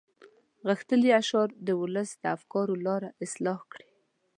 غښتلي اشعار د ولس د افکارو لاره اصلاح کړي.